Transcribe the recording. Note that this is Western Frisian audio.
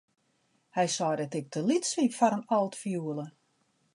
Hy sei dat ik te lyts wie foar in altfioele.